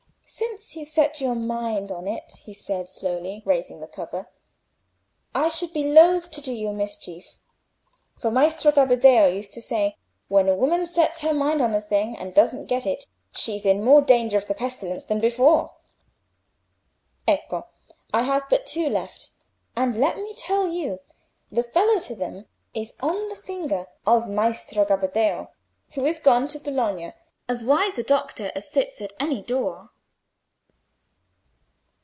"Since you've set your mind on it," he said, slowly raising the cover, "I should be loth to do you a mischief; for Maestro Gabbadeo used to say, when a woman sets her mind on a thing and doesn't get it, she's in worse danger of the pestilence than before. Ecco! I have but two left; and let me tell you, the fellow to them is on the finger of Maestro Gabbadeo, who is gone to Bologna—as wise a doctor as sits at any door."